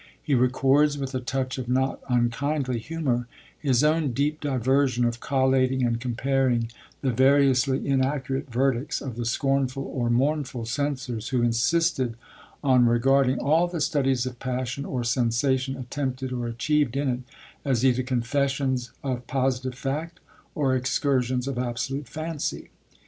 He records, with a touch of not unkindly humour, his own 'deep diversion of collating and comparing the variously inaccurate verdicts of the scornful or mournful censors who insisted on regarding all the studies of passion or sensation attempted or achieved in it as either confessions of positive fact or excursions of absolute fancy.'